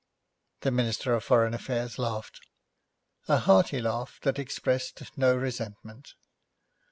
The Minister for Foreign Affairs laughed; a hearty laugh that expressed no resentment.